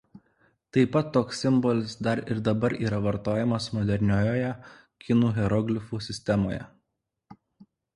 Taip pat toks simbolis dar ir dabar yra vartojamas moderniojoje kinų hieroglifų sistemoje.